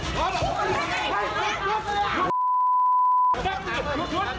ฝ่านมาด้วยรวมไหล